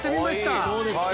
どうですか？